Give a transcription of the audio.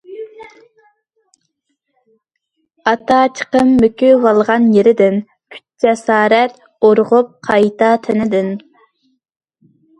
ئاتا چىقىپ مۆكۈۋالغان يېرىدىن، كۈچ-جاسارەت ئۇرغۇپ قايتا تېنىدىن.